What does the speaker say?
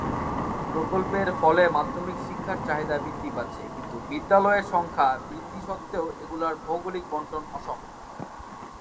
প্রকল্পের ফলে মাধ্যমিক শিক্ষার চাহিদা বৃদ্ধি পাচ্ছে, কিন্তু বিদ্যালয়ের সংখ্যা বৃদ্ধি সত্ত্বেও এগুলোর ভৌগোলিক বণ্টন অসম।